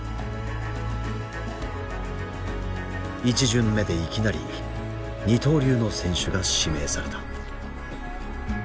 １巡目でいきなり二刀流の選手が指名された。